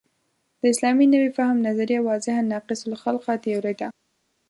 د اسلامي نوي فهم نظریه واضحاً ناقص الخلقه تیوري ده.